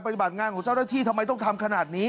ปฏิบัติงานของเจ้าหน้าที่ทำไมต้องทำขนาดนี้